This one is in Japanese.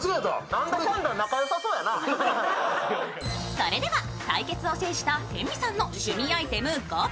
それでは対決を制した辺見さんの趣味アイテム５点。